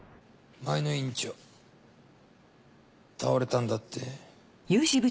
前の院長倒れたんだって？